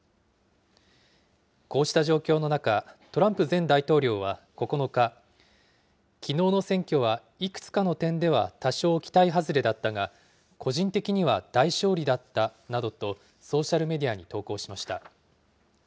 こうした状況の中、トランプ前大統領は９日、きのうの選挙は、いくつかの点では多少期待外れだったが、個人的には大勝利だったなどと、ソーシャルメディアに投稿しました。